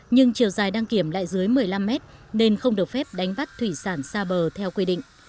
nhưng chiều dài đang kiểm lại dưới một mươi năm mét nên không được phép đánh bắt thủy sản xa bờ theo quy định